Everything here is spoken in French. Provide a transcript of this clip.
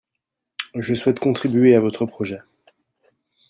Je souhaite contribuer à votre projet